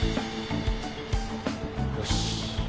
よし！